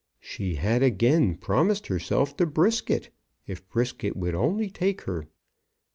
She had again promised herself to Brisket, if Brisket would only take her.